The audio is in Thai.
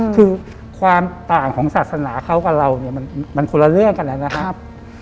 คือความต่างของศาสนาเขากับเราเนี่ยมันคนละเรื่องกันแล้วนะครับ